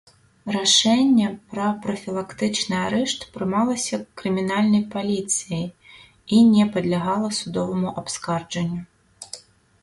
Рашэнне пра прафілактычны арышт прымалася крымінальнай паліцыяй і не падлягала судоваму абскарджанню.